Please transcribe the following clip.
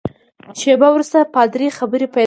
شېبه وروسته پادري خبرې پیل کړې.